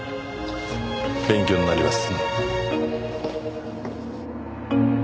勉強になります。